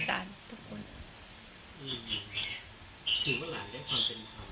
ถือว่ากลางจะได้ความเป็นธรรมเนี่ย